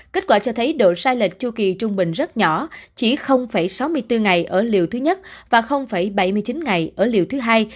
kết quả cho thấy độ sai lệch chu kỳ trung bình rất nhỏ chỉ sáu mươi bốn ngày ở liều thứ nhất và bảy mươi chín ngày ở liều thứ hai